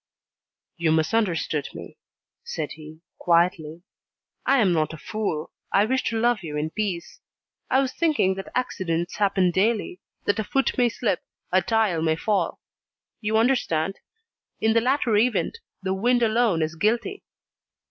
"You misunderstood me," said he quietly. "I am not a fool, I wish to love you in peace. I was thinking that accidents happen daily, that a foot may slip, a tile may fall. You understand. In the latter event, the wind alone is guilty."